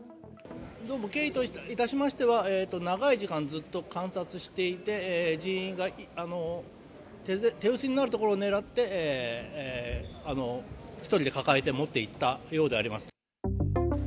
経緯といたしましては、長い時間、ずっと観察していて、人員が手薄になるところを狙って、１人で抱えて持っていったようであります。